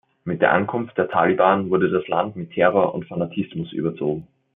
Mit der Ankunft der Taliban wurde das Land mit Terror und Fanatismus überzogen.